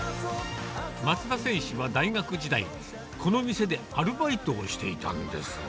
松田選手は大学時代、この店でアルバイトをしていたんです。